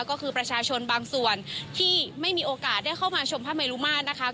ก็คือประชาชนบางส่วนที่ไม่มีโอกาสได้เข้ามาชมพระเมรุมาตรนะคะ